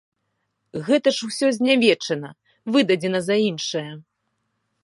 Гэта ж усё знявечана, выдадзена за іншае.